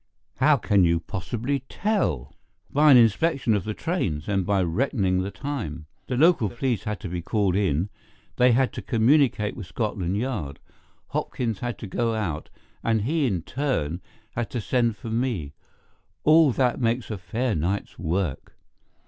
"How can you possibly tell?" "By an inspection of the trains, and by reckoning the time. The local police had to be called in, they had to communicate with Scotland Yard, Hopkins had to go out, and he in turn had to send for me. All that makes a fair night's work.